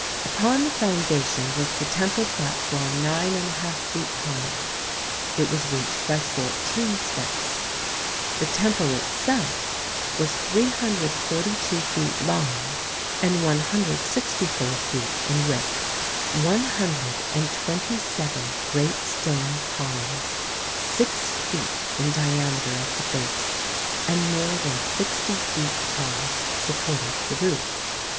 Upon the foundation was the temple platform nine and a half feet higher ; it was reached by fourteen steps. The temple itself was 342 feet long and 164 feet in width. One hundred and twenty seven great stone columns, six feet in diameter at the base no THE SEVEN WONDERS and more than sixty feet tall, supported the roof.